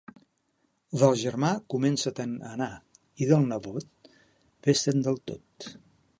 Del germà, comença-te'n a anar; i del nebot, ves-te'n del tot.